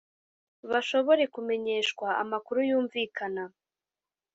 bashobore kumenyeshwa amakuru yumvikana